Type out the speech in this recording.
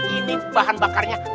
ini bahan bakarnya angin